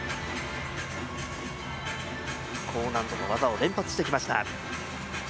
高難度の技を連発してきました。